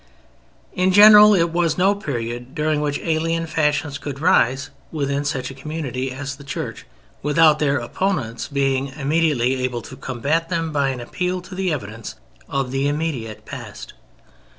In general, it was no period during which alien fashions could rise within such a community as the Church without their opponents being immediately able to combat them by an appeal to the evidence of the immediate past.